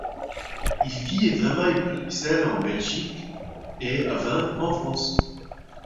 Il vit et travaille à Bruxelles en Belgique et à Viens en France.